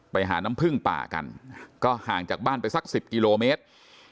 ไปหาน้ำพึ่งป่ากันก็ห่างจากบ้านไปสัก๑๐กิโลเมตร